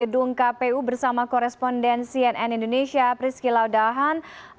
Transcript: gedung kpu bersama korespondensi nn indonesia prisky laudahan